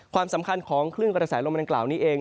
ความสำคัญของคลื่นกระแสลมดังกล่าวนี้เอง